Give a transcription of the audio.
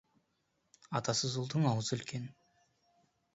Атасыз ұлдың аузы үлкен.